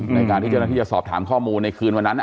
ในการที่เจ้าหน้าที่จะสอบถามข้อมูลในคืนวันนั้น